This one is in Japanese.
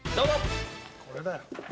これだよ。